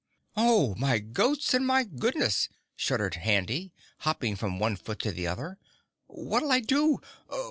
"Oh my goats and my goodness!" shuddered Handy hopping from one foot to the other. "What'll I do?